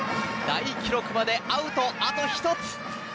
大記録までアウトあと１つ。